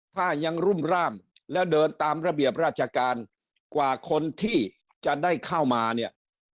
ถ้ายังรุ่มร่ามแล้วเดินตามระเบียบราชการกว่าคนที่จะได้เข้ามาเนี่ย